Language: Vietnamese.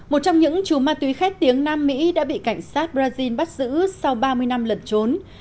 một trong những chú ma túy khét tiếng nam mỹ đã bị cảnh sát brazil bắt giữ sau ba mươi năm lẩn trốn